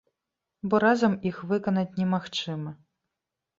Бо разам іх выканаць немагчыма.